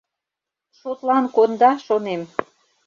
— Шотлан конда, шонем.